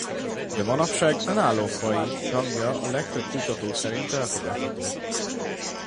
De manapság önálló faji rangja a legtöbb kutató szerint elfogadott.